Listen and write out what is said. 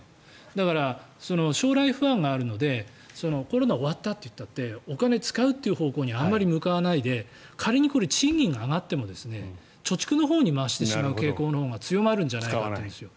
だから、将来不安があるのでコロナが終わったといったってお金使うって方向にあまり向かわないで仮にこれ賃金が上がっても貯蓄のほうに回してしまう傾向のほうが強まるんじゃないかと言うんですよ。